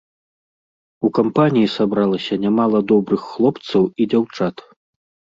У кампаніі сабралася нямала добрых хлопцаў і дзяўчат.